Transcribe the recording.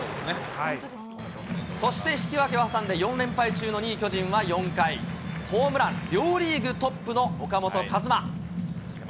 そして引き分けを挟んで４連敗中の２位巨人は４回、ホームラン両リーグトップの岡本和真。